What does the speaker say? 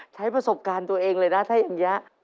ใช้ประสบการณ์ตัวเองเลยนะถ้าอย่างนี้